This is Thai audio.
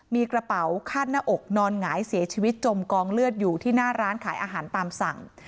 มีกระเป๋าคาดหน้าอกนอนหงายเสียชีวิตจมกองเลือดอยู่ที่หน้าร้านขายอาหารตามสั่ง